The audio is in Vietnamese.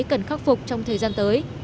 cần khắc phục trong thời gian tới